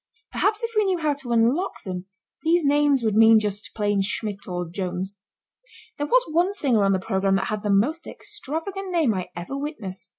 Perhaps if we knew how to unlock them these names would mean just plain Schmidt or Jones. There was one singer on the programme that had the most extravagant name I ever witnessed.